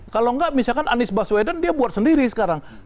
kalau nggak misalkan anies baswedan dia buat sendiri sekarang